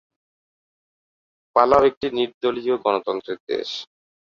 Palau একটি নির্দলীয় গণতন্ত্রের দেশ।